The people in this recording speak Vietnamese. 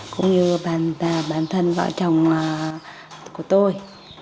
cũng như bản thân vợ chồng của tôi